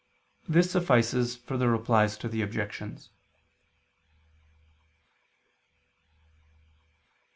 This suffices for the Replies to the Objections.